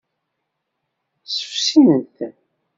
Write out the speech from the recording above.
Ssefsin-t.